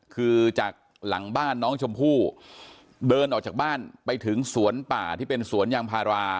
คือจากหลังบ้านน้องชมพู่เดินออกจากบ้านไปถึงสวนป่าที่เป็นสวนยางพารา